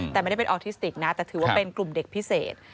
แต่ไม่ได้เป็นออทิสติกนะแต่ถือว่าเป็นกลุ่มเด็กพิเศษ